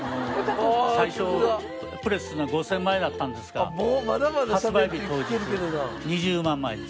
最初プレスするのが５０００枚だったんですが発売日当日２０万枚。